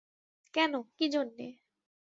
কেন, কী জন্যে।